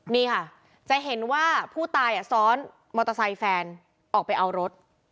นี่ค่ะจะเห็นว่าผู้ตายซ้อนมอเตอร์ไซค์แฟนออกไปเอารถ